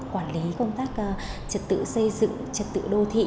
quản lý công tác trật tự xây dựng trật tự đô thị